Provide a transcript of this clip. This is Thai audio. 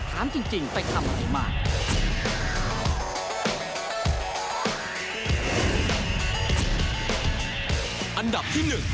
ถามจริงไปทำอะไรมา